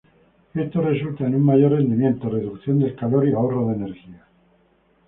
Esto resulta en un mayor rendimiento, reducción del calor, y ahorro de energía.